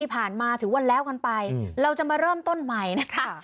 ถือว่าแล้วกันไปเราจะมาเริ่มต้นใหม่นะคะ